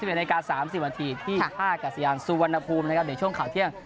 ๑๑นาฬิกา๓๐วันทีที่๕กัศยาลสุวรรณภูมิในช่วงข่าวเที่ยง